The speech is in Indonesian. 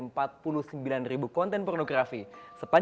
masih bandar indonesia menemukan